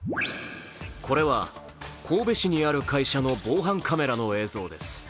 これは神戸市にある会社の防犯カメラの映像です。